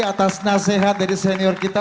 atas nasihat dari senior kita